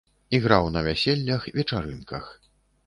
Іграў на вяселлях, вечарынках.